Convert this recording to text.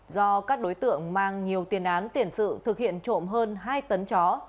do các đối tượng mang nhiều tiền án tiền sự thực hiện trộm hơn hai tấn chó